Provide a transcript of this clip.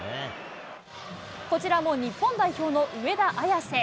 こちらも日本代表の上田綺世。